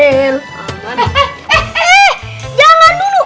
eh eh eh eh jangan dulu